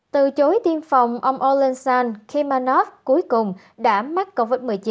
từ chối tiêm phòng ông olensan kemanov cuối cùng đã mắc covid một mươi chín